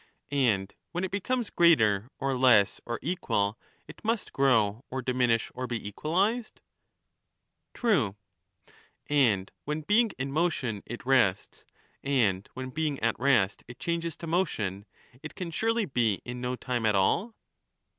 And when it becomes greater or less or equal it must grow or diminish or be equalized ? True. And when being in motion it rests, and when being at rest it changes to motion, it can surely be in no time at all